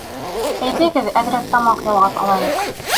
Әйҙәгеҙ, әҙерәк тамаҡ ялғап алайыҡ